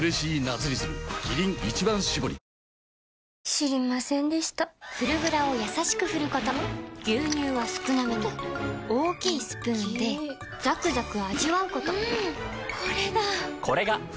知りませんでした「フルグラ」をやさしく振ること牛乳は少なめに大きいスプーンで最後の一滴まで「カルビーフルグラ」